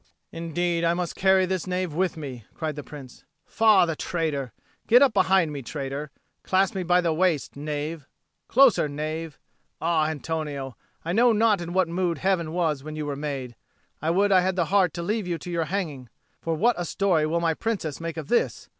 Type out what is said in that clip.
"Indeed I must carry this knave with me!" cried the Prince. "Faugh, the traitor! Get up behind me, traitor! Clasp me by the waist, knave! Closer, knave! Ah, Antonio, I know not in what mood Heaven was when you were made! I would I had the heart to leave you to your hanging! For what a story will my Princess make of this!